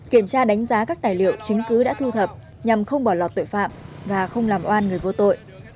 kiểm tra đánh giá các tài liệu chứng cứ đã thu thập nhằm không bỏ lọt tội phạm và không làm oan người vô tội